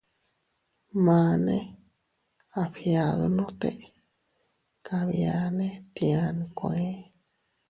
Maane a fgiadunote kabiane tia nkue.